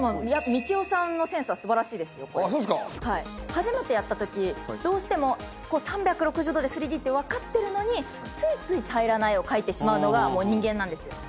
初めてやった時どうしても３６０度で３Ｄってわかってるのについつい平らな絵を描いてしまうのが人間なんですよ。